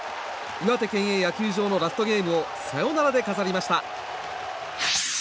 岩手県営野球場のラストゲームをサヨナラで飾りました。